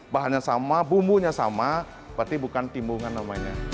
bahannya sama bumbunya sama berarti bukan timbungan namanya